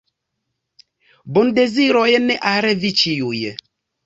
Bondezirojn al vi ĉiuj!